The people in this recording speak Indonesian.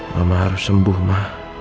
mama harus sembuh ma